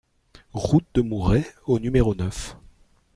Route de Mouret au numéro neuf